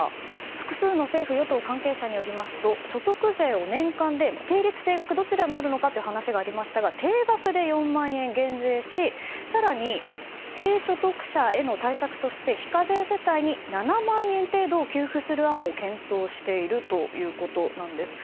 複数の政府・与党関係者によりますと所得税を年間で定率か定額のどちらになるのかという話がありましたが、定額で４万円減税し更に低所得者への対策として非課税世帯に７万円程度を給付する案を検討しているということです。